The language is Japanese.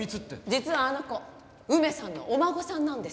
実はあの子梅さんのお孫さんなんですって。